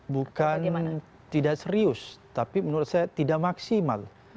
bukan tidak serius tapi menurut saya tidak maksimal